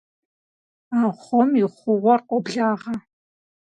Ахъом и хъугъуэр къоблагъэ.